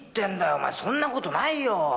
お前そんなことないよ